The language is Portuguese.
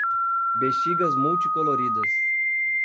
Bexigas multicoloridas